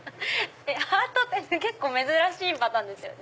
ハートって結構珍しいパターンですよね。